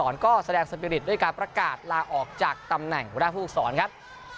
ภูกษรก็แสดงสปิริตด้วยการประกาศลาออกจากตำแหน่งของพุทธภูกษรครับ